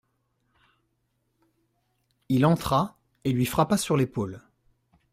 Il entra et lui frappa sur l'épaule.